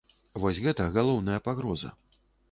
Вось гэта галоўная пагроза.